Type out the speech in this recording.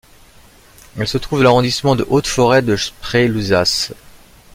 Elle se trouve dans l'arrondissement de Haute-Forêt-de-Spree-Lusace.